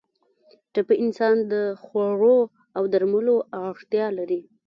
ټپي انسان د خوړو او درملو اړتیا لري.